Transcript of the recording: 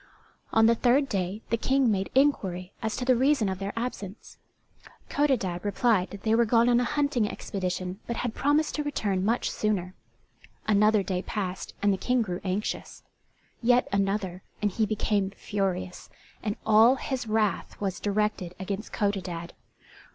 On the third day the King made inquiry as to the reason of their absence. Codadad replied that they were gone on a hunting expedition but had promised to return much sooner. Another day passed and the King grew anxious; yet another, and he became furious; and all his wrath was directed against Codadad.